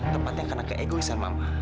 tempatnya karena keegoisan mama